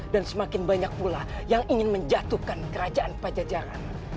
dan semakin banyak pula yang ingin menjatuhkan kerajaan pajajaran